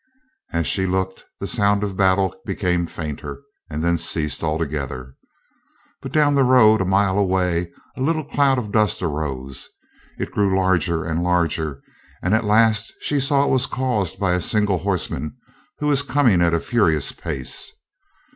As she looked, the sound of battle became fainter, and then ceased altogether. But down the road, a mile away, a little cloud of dust arose. It grew larger and larger, and at last she saw it was caused by a single horseman who was coming at a furious pace.